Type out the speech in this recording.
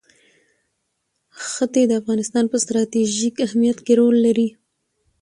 ښتې د افغانستان په ستراتیژیک اهمیت کې رول لري.